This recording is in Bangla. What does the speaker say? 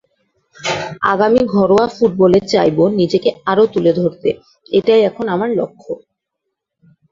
আগামী ঘরোয়া ফুটবলে চাইব নিজেকে আরও তুলে ধরতে, এটাই এখন আমার লক্ষ্য।